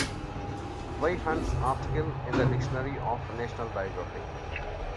W. Hunt's article in the "Dictionary of National Biography".